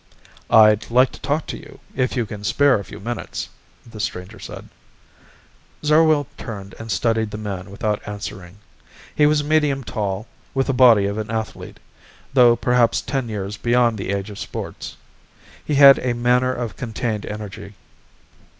"I'd like to talk to you, if you can spare a few minutes," the stranger said. Zarwell turned and studied the man without answering. He was medium tall, with the body of an athlete, though perhaps ten years beyond the age of sports. He had a manner of contained energy.